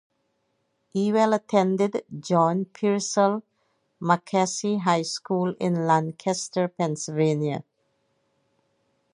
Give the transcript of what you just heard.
Ewell attended John Piersol McCaskey High School in Lancaster, Pennsylvania.